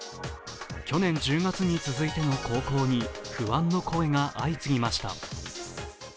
去年１０月に続いての航行に不安の声が相次ぎました。